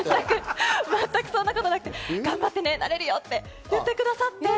全くそんなことなく、頑張って、なれるよって言ってくださって。